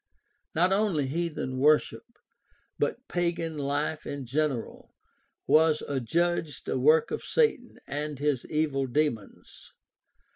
Not only heathen worship, but pagan life in general, was adjudged a work of Satan and his evil demons.